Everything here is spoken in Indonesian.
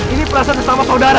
ini perasaan bersama saudara